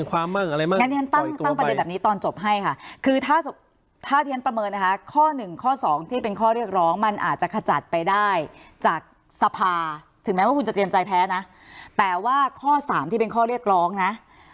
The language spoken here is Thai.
ว่าคุณจะเตรียมใจแพ้นะแต่ว่าข้อสามที่เป็นข้อเรียกร้องนะ